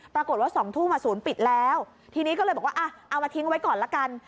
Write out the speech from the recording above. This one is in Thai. บอกว่า๒ทุ่มศูนย์ปิดแล้วทีนี้ก็เลยบอกว่าเอามาทิ้งไว้ก่อนละกัน